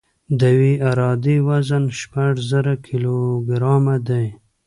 د یوې عرادې وزن شپږ زره کیلوګرام دی